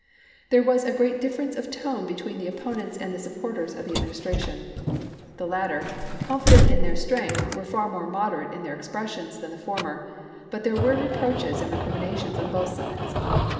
There was a great difference of tone between the opponents and the supporters of the Administration ; the latter, confident in their strength, were far more moderate in their expres sions than the former, but there were reproaches and recriminations on both sides.